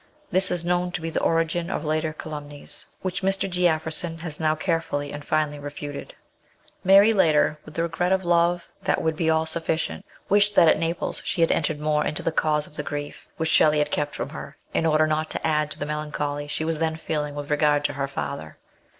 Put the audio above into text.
This is known to be the origin of later calumnies, uhich Mr. Jeaffreson has now carefully and filially refuted. Mary, later, with the regret of love that would be all sufficient, wished that at Naples she had entered more into the cause of the grief, which Shelley had kept from her, in order not to add to the melancholy she was then feeling with regard to her father.